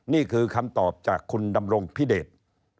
นี่คือคำตอบจากคุณดำรงพิเดช